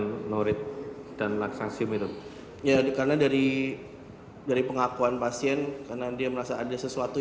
dengan norit dan laksasium itu ya karena dari dari pengakuan pasien karena dia merasa ada sesuatu